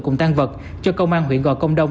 cùng tan vật cho công an huyện gò công đông